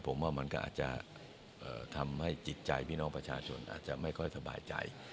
ผมว่ามันก็อาจจะทำให้จิตใจพี่น้องประชาชนอาจจะไม่ค่อยสบายใจ